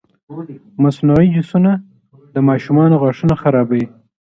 مصنوعي جوسونه د ماشومانو غاښونه خرابوي.